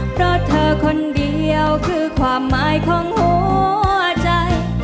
เพราะเธอคนเดียวคือความหมายของหัวใจ